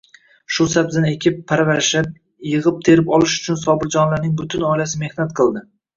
Shu sabzini ekib, parvarishlab, yigʻib-terib olish uchun Sobirjonlarning butun oilasi mehnat qildi.